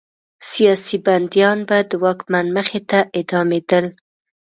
سیاسي بندیان به د واکمن مخې ته اعدامېدل.